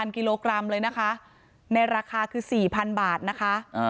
กิโลกรัมเลยนะคะในราคาคือ๔๐๐๐บาทนะคะ